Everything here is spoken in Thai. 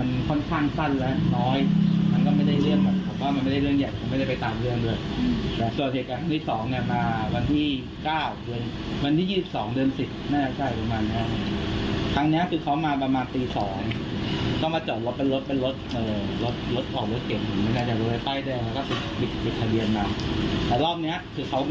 มีช่องถึงตึงสายโดยที่ว่าแบบ